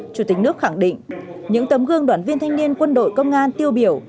chủ tịch nước khẳng định những tấm gương đoàn viên thanh niên quân đội công an tiêu biểu